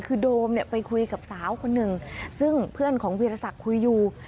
คือโดมเนี่ยไปคุยกับสาวคนหนึ่งซึ่งเพื่อนของวีรศักดิ์คุยอยู่